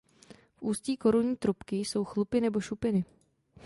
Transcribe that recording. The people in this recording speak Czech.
V ústí korunní trubky jsou chlupy nebo šupiny.